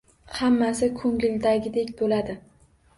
Hammasi ko`ngildagidek bo`ladi